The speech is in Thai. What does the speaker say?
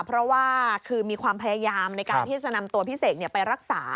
เพราะว่าคือมีความพยายามในการที่จะนำตัวพี่เสกไปรักษา